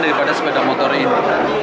daripada sepeda motor ini